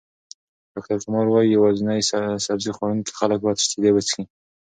ډاکټر کمار وايي، یوازې سبزۍ خوړونکي خلک باید شیدې وڅښي.